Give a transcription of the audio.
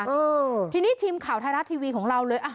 เออทีนี้ทีมข่าวไทยรัฐทีวีของเราเลยอ่ะ